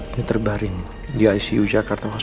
dan memperbaiki rumah tangga aku